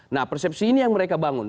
nah persepsi ini yang mereka bangun